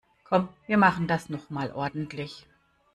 Komm, wir machen das noch mal ordentlich.